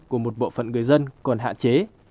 của một bộ phận người dân còn hạ chế